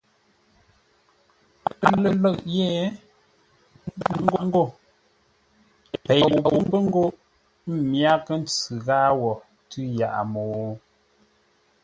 A lə̂ʼ ńdáʼ ngô: Pei lou pə́ ńgó m myághʼə́ ntsʉ ghâa wo tʉ́ yaʼa mô?